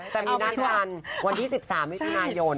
แต่มีน่าการวันที่๑๓วิทยุนายน